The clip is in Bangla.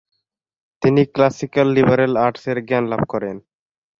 তিনি ক্ল্যাসিক্যাল লিবারেল আর্টস এর জ্ঞান লাভ করেন।